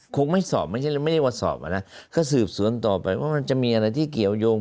คงไม่สอบไม่ใช่ไม่ได้ว่าสอบอ่ะนะก็สืบสวนต่อไปว่ามันจะมีอะไรที่เกี่ยวยง